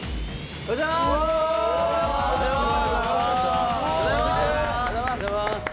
おはようございます！